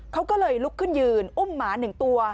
เขาก็เลยลุกขึ้นยืนอุ้มหมา๑ตัว